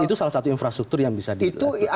itu salah satu infrastruktur yang bisa dilakukan